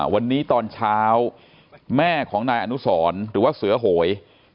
วันนี้ตอนเช้าแม่ของนายอนุสรหรือว่าเสือโหย